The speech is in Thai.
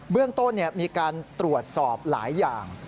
เรื่องต้นมีการตรวจสอบหลายอย่าง